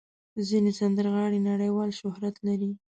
ځینې سندرغاړي نړیوال شهرت لري.